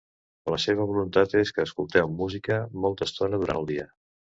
La seva voluntat és que escolteu música molta estona durant el dia.